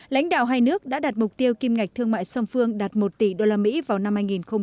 lãnh đạo hai nước đã đạt mục tiêu kim ngạch thương mại song phương đạt một tỷ usd vào năm hai nghìn hai mươi